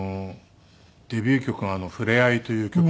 デビュー曲が『ふれあい』という曲で。